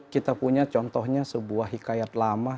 kita punya contohnya sebuah hikayat lama